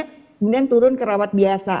kemudian turun ke rawat biasa